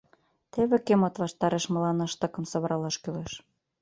Теве кӧмыт ваштареш мыланна штыкым савыралаш кӱлеш.